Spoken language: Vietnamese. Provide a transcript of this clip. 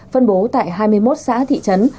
phân bố tại hai mươi một xã thị trấn